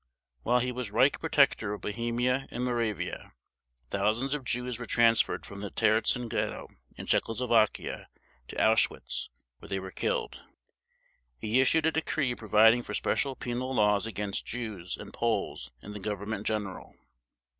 While he was Reich Protector of Bohemia and Moravia, thousands of Jews were transferred from the Terezin Ghetto in Czechoslovakia to Auschwitz, where they were killed. He issued a decree providing for special penal laws against Jews and Poles in the Government General.